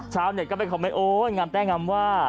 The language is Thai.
ชาวเน็ตก็ไปคอมเมนต์โอ๊ยงามแต้งามว่า